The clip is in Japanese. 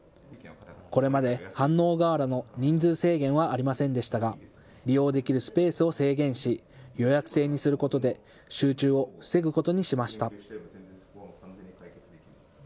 これまで飯能河原の人数制限はありませんでしたが利用できるスペースを制限し予約制にすることで集中を防ぐことにしました。